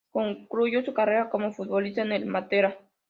Concluyó su carrera como futbolista en el Matera.